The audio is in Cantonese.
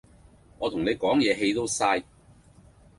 我同你講嘢氣都嘥